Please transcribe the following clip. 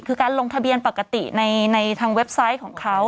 คือการลงทะเบียนปกติในทางเว็บไซต์ของเขา